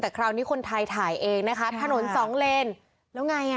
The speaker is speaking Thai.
แต่คราวนี้คนไทยถ่ายเองนะคะถนนสองเลนแล้วไงอ่ะ